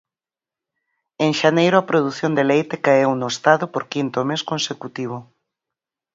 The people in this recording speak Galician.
En xaneiro a produción de leite caeu no Estado por quinto mes consecutivo.